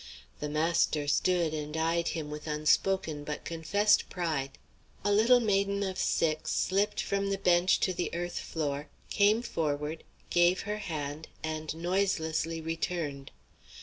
The master stood and eyed him with unspoken but confessed pride. A little maiden of six slipped from the bench to the earth floor, came forward, gave her hand, and noiselessly returned.